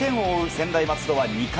専大松戸は２回。